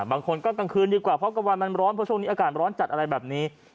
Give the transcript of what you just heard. บางคนก็กลางคืนดีกว่าเพราะกลางวันมันร้อนเพราะช่วงนี้อากาศร้อนจัดอะไรแบบนี้